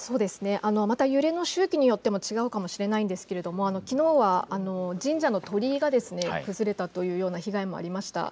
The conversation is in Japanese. また揺れの周期によっても違うかもしれないんですがきのうは神社の鳥居が崩れたというような被害もありました。